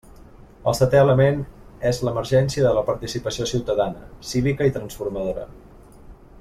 El seté element és l'emergència de la participació ciutadana, cívica i transformadora.